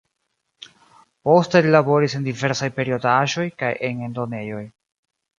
Poste li laboris en diversaj periodaĵoj, kaj en eldonejoj.